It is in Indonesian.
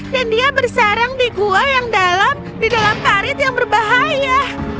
dan dia bersarang di gua yang dalam di dalam karit yang berbahaya